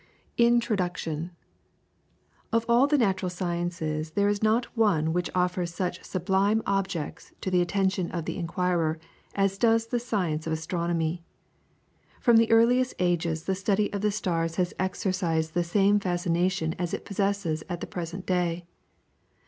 INTRODUCTION. Of all the natural sciences there is not one which offers such sublime objects to the attention of the inquirer as does the science of astronomy. From the earliest ages the study of the stars has exercised the same fascination as it possesses at the present day.